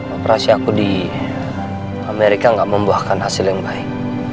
operasi aku di amerika gak membuahkan hasil yang baik